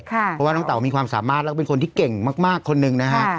เพราะว่าน้องเต๋ามีความสามารถแล้วก็เป็นคนที่เก่งมากคนหนึ่งนะฮะ